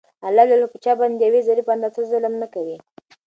الله په چا باندي د يوې ذري په اندازه ظلم نکوي